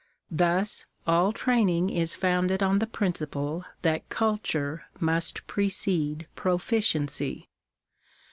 Thus, all training is founded on the principle that culture must precede proficiency.